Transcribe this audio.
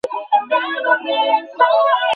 তারা তাঁবুর পাশে কুরাইশদের দেখে ঘিরে ফেলে।